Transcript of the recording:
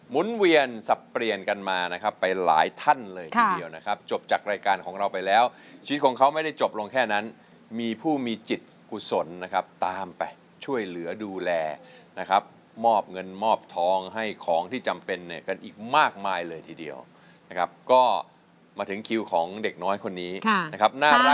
เวียนสับเปลี่ยนกันมานะครับไปหลายท่านเลยทีเดียวนะครับจบจากรายการของเราไปแล้วชีวิตของเขาไม่ได้จบลงแค่นั้นมีผู้มีจิตกุศลนะครับตามไปช่วยเหลือดูแลนะครับมอบเงินมอบทองให้ของที่จำเป็นเนี่ยกันอีกมากมายเลยทีเดียวนะครับก็มาถึงคิวของเด็กน้อยคนนี้นะครับน่ารัก